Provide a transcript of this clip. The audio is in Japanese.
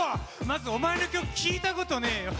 まずお前の曲聴いたことねえよ